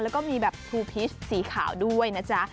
แล้วก็มีแบบทูพิชสีขาวด้วยนะจ๊ะ